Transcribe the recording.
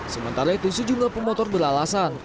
sementara itu sejumlah pemotor beralasan